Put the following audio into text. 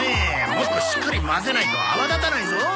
もっとしっかり混ぜないと泡立たないぞ。